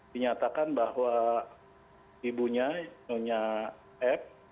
dinyatakan bahwa ibunya yang namanya f